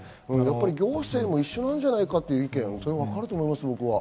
行政も一緒なんじゃないかという意見、わかると思います、僕は。